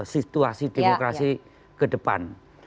situasi demokrasi ke depan